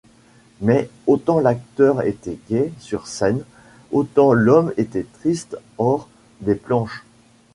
Mais autant l'acteur était gai sur scène, autant l'homme était triste hors des planches.